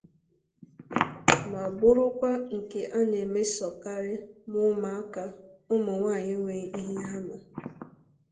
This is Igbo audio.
ma bụrụkwa nke a na-emesòkarị ma ụmụaka ụmụnwaanyị enweghị ihe ha mà